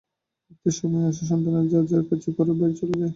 একটা সময় আসে, সন্তানেরা যার যার কাজে ঘরের বাইরে চলে যায়।